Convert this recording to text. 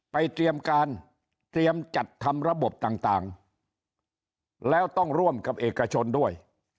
เตรียมการเตรียมจัดทำระบบต่างแล้วต้องร่วมกับเอกชนด้วย